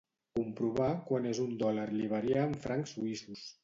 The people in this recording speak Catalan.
Comprovar quant és un dòlar liberià en francs suïssos.